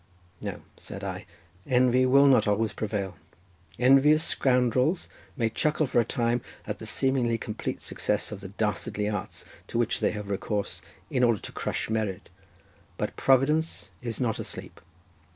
"No," said I; "envy will not always prevail—envious scoundrels may chuckle for a time at the seemingly complete success of the dastardly arts to which they have recourse, in order to crush merit—but Providence is not asleep.